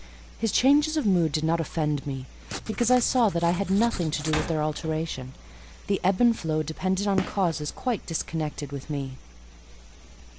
His changes of mood did not offend me, because I saw that I had nothing to do with their alternation; the ebb and flow depended on causes quite disconnected with me.